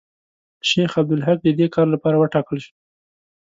شیخ عبدالحق د دې کار لپاره وټاکل شو.